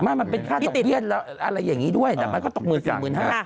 ไม่มันเป็นค่าตกเบี้ยนอะไรอย่างนี้ด้วยแต่มันก็ตกหมื่นสี่หมื่นห้า